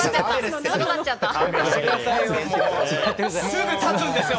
すぐ立つんですよ